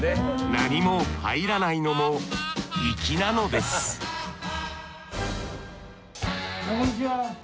何も入らないのも粋なのですこんにちは。